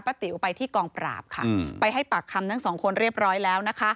ติ๋วไปที่กองปราบค่ะไปให้ปากคำทั้งสองคนเรียบร้อยแล้วนะคะ